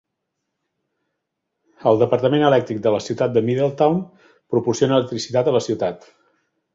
El departament elèctric de la ciutat de Middletown proporciona electricitat a la ciutat.